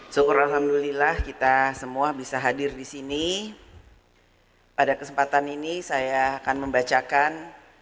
syukur alhamdulillah kita semua bisa hadir di sini pada kesempatan ini saya akan membacakan